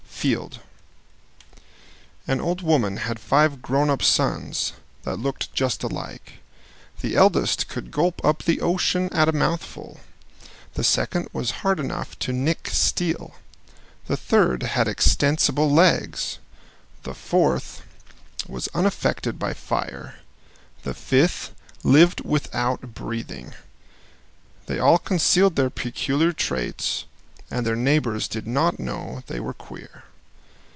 Fielde An old woman had five grown up sons that looked just alike. The eldest could gulp up the ocean at a mouthful; the second was hard enough to nick steel; the third had extensible legs; the fourth was unaffected by fire; the fifth lived without breathing. They all concealed their peculiar traits, and their neighbors did not know they were queer.